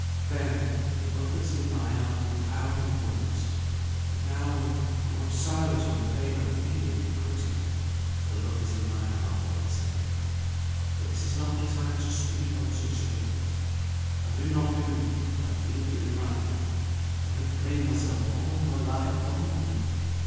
Then, the love that's in my heart would out in words; but now, though I'm silent on the pain I'm feeling in quitting you, the love is in my heart all the same. But this is not the time to speak on such things. If I do not do what I feel to be right now, I may blame myself all my life long!